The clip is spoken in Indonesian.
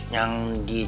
yang di cibubur